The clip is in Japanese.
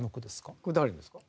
これ誰ですか？